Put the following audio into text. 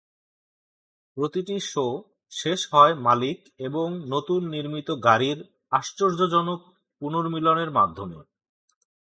প্রতিটি শো শেষ হয় মালিক এবং নতুন নির্মিত গাড়ির আশ্চর্যজনক পুনর্মিলনের মাধ্যমে।